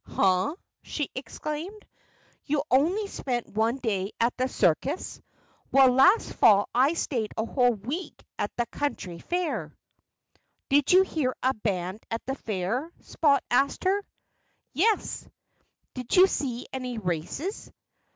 "Huh!" she exclaimed. "You only spent one day at the circus, while last fall I stayed a whole week at the county fair." "Did you hear a band at the fair?" Spot asked her. "Yes!" "Did you see any races?"